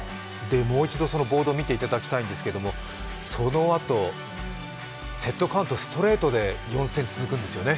もう一度ボードを見ていただきたいんですけどもそのあとセットカウント、ストレートで４戦、続くんですよね。